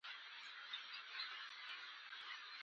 عقل، غوره ملګری دی.